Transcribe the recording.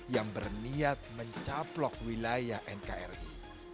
yang berniat mencaplok wilayah nkri